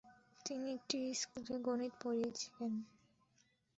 তিনি একটি স্কুলে গণিত পড়িয়েছিলেন।